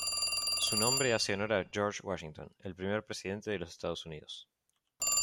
Su nombre hace honor a George Washington, el primer presidente de los Estados Unidos.